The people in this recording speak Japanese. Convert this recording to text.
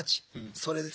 それです。